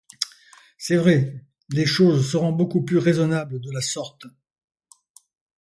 C'est vrai, les choses seront beaucoup plus raisonnables de la sorte.